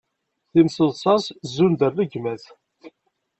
Timseḍsa-s zun d rregmat.